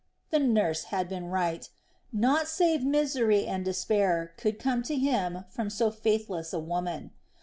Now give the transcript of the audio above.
The nurse had been right. Naught save misery and despair could come to him from so faithless a woman.